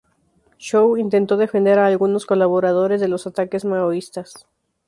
Zhou intentó defender a algunos colaboradores de los ataques maoístas.